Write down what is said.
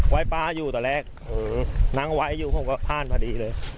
ไว้ป่าอยู่ตอนแรกนั้นไว้อยู่พวกเขาผ่านมาดีเลย